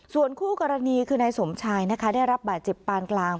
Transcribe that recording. ส่วนคู่กรณีคือนายสมชายนะคะได้รับบาดเจ็บปานกลาง